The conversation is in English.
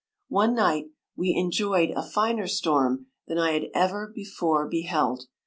One night m we enjoyed a finer storm than I had ever before beheld.